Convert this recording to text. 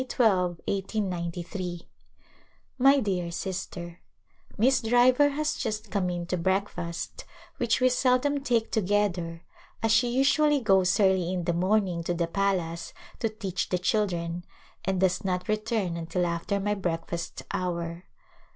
XX A Visit to Besau May 12^ 1^93' My dear Sister : Miss Driver has just come in to breakfast which we seldom take together as she usually goes early in the morning to the palace to teach the chil dren and does not return until after my breakfast hour.